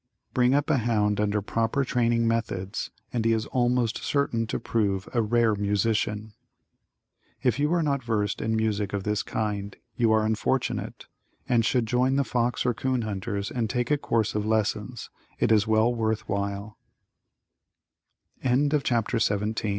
Bring up a hound under proper training methods, and he is almost certain to prove a rare musician. If you are not versed in music of this kind, you are unfortunate, and should join the fox or 'coon hunters and take a course of lessons. It is well worth while.